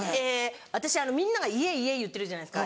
私あのみんなが家家言ってるじゃないですか。